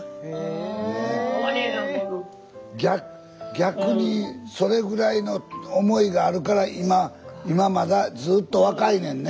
逆にそれぐらいの思いがあるから今まだずっと若いねんね。